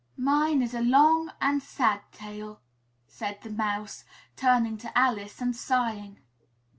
"Mine is a long and a sad tale!" said the Mouse, turning to Alice and sighing.